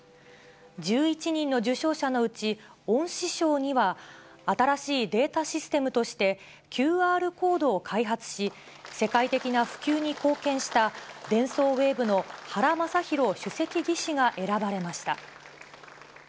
１１人の受賞者のうち、恩賜賞には、新しいデータシステムとして、ＱＲコードを開発し、世界的な普及に貢献したデンソーウェーブの原昌宏主席技師が選ばれました。